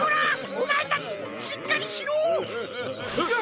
おまえたちしっかりしろっ！